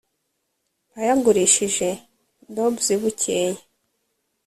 a yagurishije daubs bukeye.